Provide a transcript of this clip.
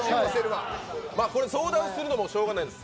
これ、相談するのもしょうがないです。